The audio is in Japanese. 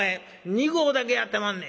２合だけやってまんねん」。